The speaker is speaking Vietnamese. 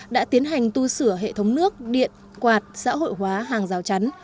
đã tiến hành tu sửa hệ thống nước điện quạt xã hội hóa hàng rào chắn